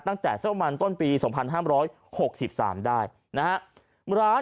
ตั้งแต่สักประมาณต้นปีสองพันห้ามร้อยหกสิบสามได้นะฮะ